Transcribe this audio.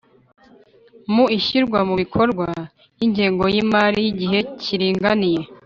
mu ishyirwa mu bikorwa y'ingengo y'imari y'igihe kiringaniye